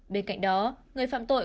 bên cạnh đó người phạm tội